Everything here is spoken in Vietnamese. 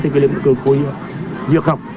thì cái lượng cửa khối dược học